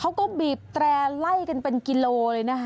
เขาก็บีบแตร่ไล่กันเป็นกิโลเลยนะคะ